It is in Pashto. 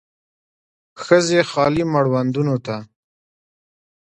ښځې خالي مړوندونو ته